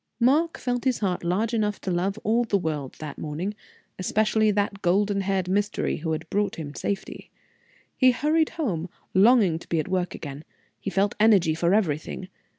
Mark felt his heart large enough to love all the world that morning, especially that golden haired mystery who had brought him safety. He hurried home, longing to be at work again. He felt energy for everything.